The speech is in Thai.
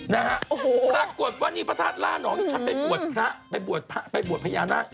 นะฮะโอ้โหปรากฏว่านี่พระธาตุล่านองที่ฉันไปบวชพระไปบวชพระไปบวชพญานาค